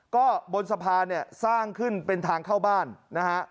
ก็บนสะพานเนี่ยสร้างขึ้นเป็นทางเข้าบ้านนะฮะ